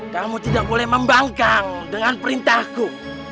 kamu tidak boleh membangkang dengan perintahku